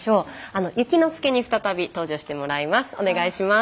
ゆきのすけに再び登場してもらいます。